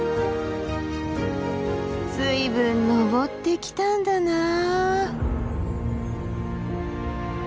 随分登ってきたんだなあ。